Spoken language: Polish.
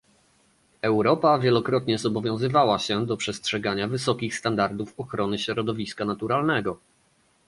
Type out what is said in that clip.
Europa wielokrotnie zobowiązywała się do przestrzegania wysokich standardów ochrony środowiska naturalnego